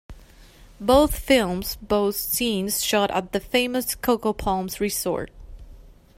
Both films boast scenes shot at the famous Coco Palms resort.